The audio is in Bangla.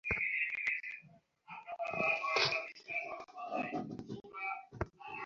কী হয়েছে তোমার?